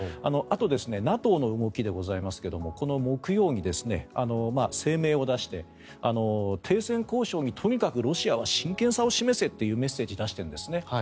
あと、ＮＡＴＯの動きですがこの木曜に声明を出して停戦交渉にとにかくロシアは真剣さを示せというメッセージを出してるんですね。